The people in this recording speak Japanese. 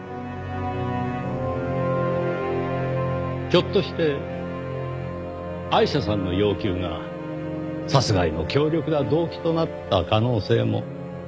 ひょっとしてアイシャさんの要求が殺害の強力な動機となった可能性も。